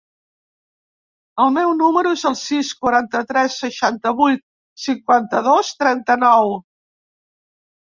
El meu número es el sis, quaranta-tres, seixanta-vuit, cinquanta-dos, trenta-nou.